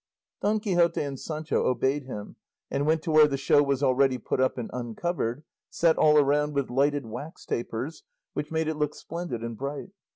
Don Quixote and Sancho obeyed him and went to where the show was already put up and uncovered, set all around with lighted wax tapers which made it look splendid and bright.